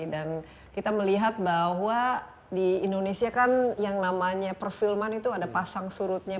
dan kita melihat bahwa di indonesia kan yang namanya perfilman itu ada pasang surutnya